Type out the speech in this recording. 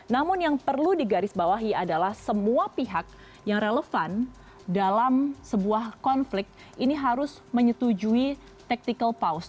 namun yang perlu digarisbawahi adalah semua pihak yang relevan dalam sebuah konflik ini harus menyetujui tactical pouse